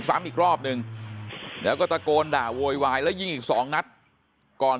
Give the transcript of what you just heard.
ซ้ำอีกรอบนึงแล้วก็ตะโกนด่าโวยวายแล้วยิงอีกสองนัดก่อน